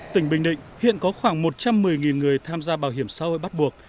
tỉnh bình định hiện có khoảng một trăm một mươi người tham gia bảo hiểm xã hội bắt buộc